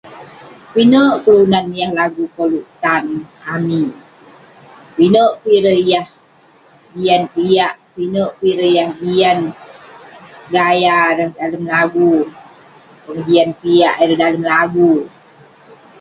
pinek kelunan yah lagu koluk tan amik, pinek peh ireh yah jian piak, pinek peh ireh yah jian gaya ireh dalem lagu, pengejian piak ireh dalem lagu